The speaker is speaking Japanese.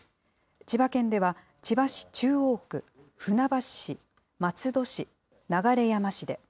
千葉県では千葉市中央区、船橋市、松戸市、流山市で。